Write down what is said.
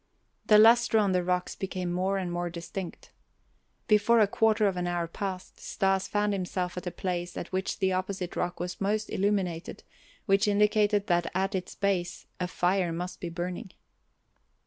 The luster on the rocks became more and more distinct. Before a quarter of an hour passed, Stas found himself at a place at which the opposite rock was most illuminated, which indicated that at its base a fire must be burning.